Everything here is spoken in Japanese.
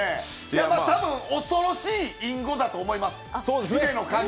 多分、恐ろしい隠語だと思います。